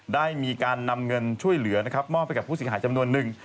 ได้มีการนำเงินช่วยเหลือมอบไปกับผู้เสียหายจำนวนนึง